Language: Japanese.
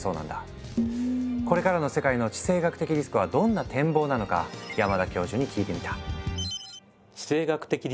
これからの世界の「地政学的リスク」はどんな展望なのか山田教授に聞いてみた。